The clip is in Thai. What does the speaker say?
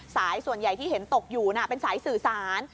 ส่วนใหญ่ที่เห็นตกอยู่เป็นสายสื่อสาร